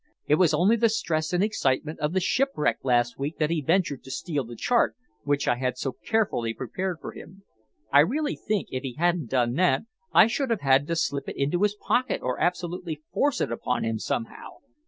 It was only the stress and excitement of the shipwreck last week that he ventured to steal the chart which I had so carefully prepared for him. I really think, if he hadn't done that, I should have had to slip it into his pocket or absolutely force it upon him somehow.